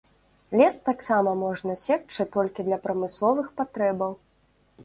Лес таксама можна секчы толькі для прамысловых патрэбаў.